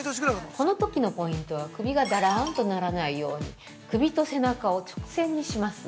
このときのポイントは首がだらーんとならないように首と背中を直線にします。